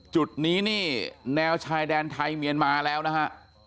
จุดนี้นี่แนวชายแดนไทยเมียนมาแล้วนะฮะ